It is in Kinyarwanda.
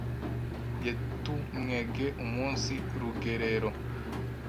yetumwege umunsi rugerero